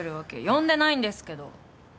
呼んでないんですけど。